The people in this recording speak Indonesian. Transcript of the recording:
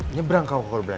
nyebrang kau horbrian